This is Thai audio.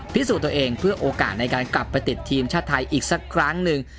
พิสูจน์ตัวเองเพื่อโอกาสในการกลับไปติดทีมชาติไทยอีกสักครั้งหนึ่ง